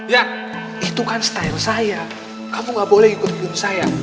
ya itu kan style saya kamu gak boleh ikut hidup saya